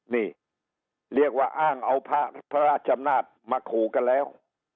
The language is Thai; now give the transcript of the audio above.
นี่เรียกว่าอ้างเอาพระราชอำนาจมาขู่กันแล้ว